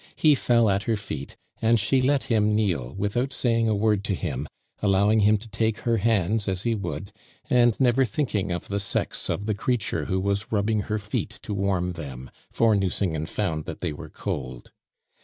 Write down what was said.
He fell at her feet, and she let him kneel without saying a word to him, allowing him to take her hands as he would, and never thinking of the sex of the creature who was rubbing her feet to warm them; for Nucingen found that they were cold.